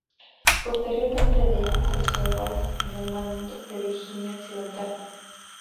Posteriormente Davis cesó a Wise en el mando de Virginia occidental.